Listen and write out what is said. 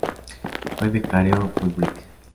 Fue becario Fulbright.